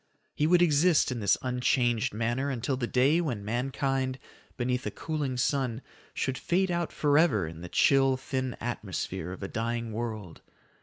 He would exist in this unchanged manner until that day when mankind, beneath a cooling sun, should fade out forever in the chill, thin atmosphere of a dying world.